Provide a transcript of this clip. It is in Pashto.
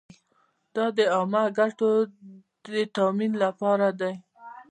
دا د عامه ګټو د تامین لپاره دی.